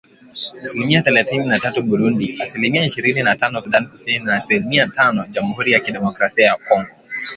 Asilimia thelathini na tatu Burundi ,asilimia ishirini na tano Sudan Kusini na asilimia tano Jamhuri ya Kidemokrasia ya Kongo